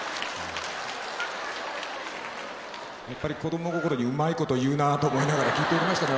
やっぱり子供心にうまいこと言うなと思いながら聞いておりましたね